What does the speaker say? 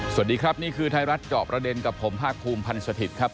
สวัสดีครับนี่คือไทยรัฐเจาะประเด็นกับผมภาคภูมิพันธ์สถิตย์ครับ